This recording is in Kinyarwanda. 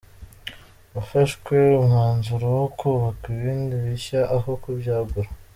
Hafashwe umwanzuro wo kubaka ibindi bishya aho kubyagura.